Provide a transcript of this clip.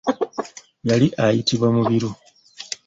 Yali ayitibwa Mubiru.